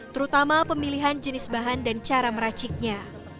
terutama pemilihan jenis bahan dan cara meraciknya